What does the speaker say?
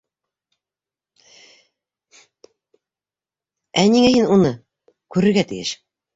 Ә ниңә һин уны... күрергә тейеш?